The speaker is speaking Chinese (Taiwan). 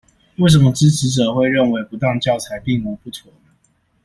為什麼支持者會認為不當教材並無不妥呢？